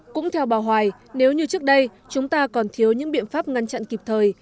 cũng theo bà hoài nếu như trước đây chúng ta còn thiếu những biện pháp ngăn chặn kịp thời